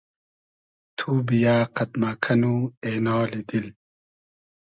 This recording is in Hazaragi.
تو بییۂ قئد مۂ کئنو اېنالی دیل